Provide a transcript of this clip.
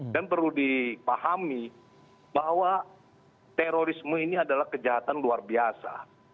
dan perlu dipahami bahwa terorisme ini adalah kejahatan luar biasa